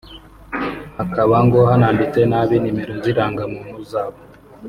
hakaba ngo n’abanditse nabi nimero z’indangamuntu zabo